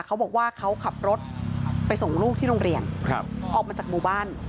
เขาบอกว่าเขาขับรถไปส่งลูกที่โรงเรียนออกมาจากหมู่บ้าน